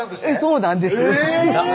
そうなんですえぇ！